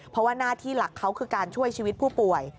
เพราะว่าหน้าที่หลักเขาคือการช่วยชีวิตผู้ป่วย